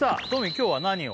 今日は何を？